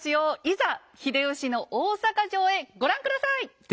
いざ秀吉の大坂城へご覧下さい！